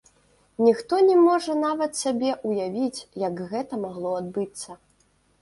Ніхто не можа нават сабе ўявіць, як гэта магло адбыцца.